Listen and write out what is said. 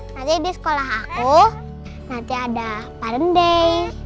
nanti di sekolah aku nanti ada parent day